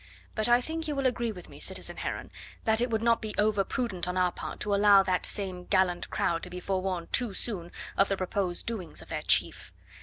But I think you will agree with me, citizen Heron, that it would not be over prudent on our part to allow that same gallant crowd to be forewarned too soon of the proposed doings of their chief.